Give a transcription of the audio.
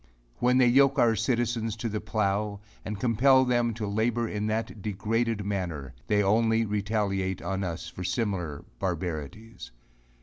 When they yoke our citizens to the plow, and compel them to labour in that degraded manner, they only retaliate on us for similar barbarities.